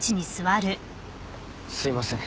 すいません。